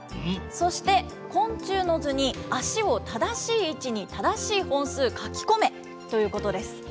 そして、昆虫の図に足を正しい位置に正しい本数書き込めということです。